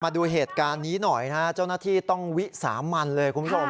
มาดูเหตุการณ์นี้หน่อยนะฮะเจ้าหน้าที่ต้องวิสามันเลยคุณผู้ชม